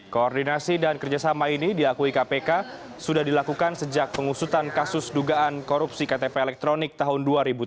koordinasi dan kerjasama ini diakui kpk sudah dilakukan sejak pengusutan kasus dugaan korupsi ktp elektronik tahun dua ribu tujuh belas